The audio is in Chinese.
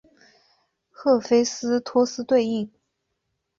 赫菲斯托斯对应。